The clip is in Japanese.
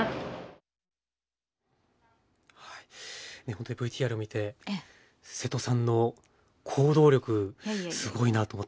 本当にＶＴＲを見て瀬戸さんの行動力すごいなと思ったんですけど。